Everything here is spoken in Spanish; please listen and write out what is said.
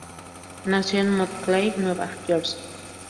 Nació en Montclair, Nueva Jersey.